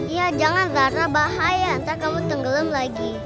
iya jangan karena bahaya nanti kamu tenggelam lagi